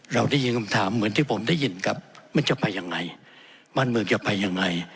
เราได้ยินคำถามเหมือนที่ผมได้ยินครับมันจะไปยังไงบ้านเมืองจะไปยังไง